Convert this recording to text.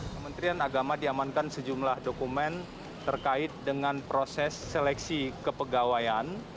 kementerian agama diamankan sejumlah dokumen terkait dengan proses seleksi kepegawaian